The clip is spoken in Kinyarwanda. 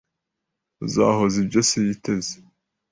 Azasohoza ibyo se yiteze